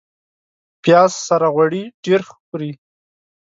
پیاز سره غوړي ډېر ښه خوري